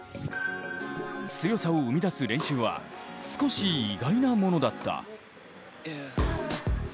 強さを生み出す練習は少し意外なものだった。